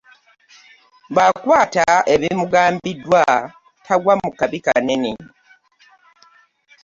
Bwakwata ebimugambinddwa tagwa mu kabi kanene .